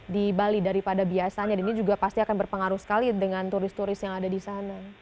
di bali daripada biasanya dan ini juga pasti akan berpengaruh sekali dengan turis turis yang ada di sana